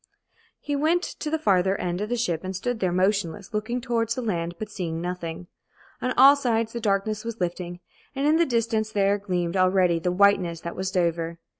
He went to the farther end of the ship and stood there motionless, looking towards the land but seeing nothing. On all sides the darkness was lifting, and in the distance there gleamed already the whiteness that was Dover.